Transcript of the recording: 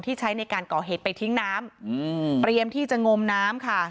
ใช้ในการก่อเหตุไปทิ้งน้ำอืมเตรียมที่จะงมน้ำค่ะ